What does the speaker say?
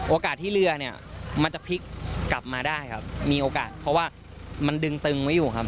ที่เรือเนี่ยมันจะพลิกกลับมาได้ครับมีโอกาสเพราะว่ามันดึงตึงไว้อยู่ครับ